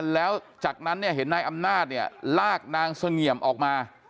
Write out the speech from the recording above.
แล้วจากนั้นเนี่ยเห็นนายอำนาจเนี่ยลากนางเสงี่ยมออกมา